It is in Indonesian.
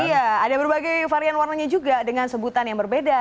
iya ada berbagai varian warnanya juga dengan sebutan yang berbeda